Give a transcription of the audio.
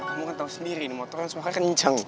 kamu kan tau sendiri nih motornya semuanya kenceng